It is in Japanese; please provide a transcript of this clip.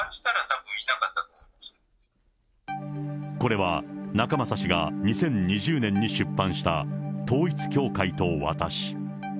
これは、仲正氏が２０２０年に出版した統一教会と私。